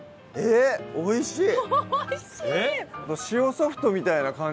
おいしい！